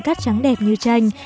cắt trắng đẹp như tranh